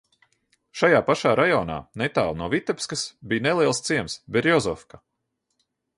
Šajā pašā rajonā, netālu no Vitebkas, bija neliels ciems – Berjozovka.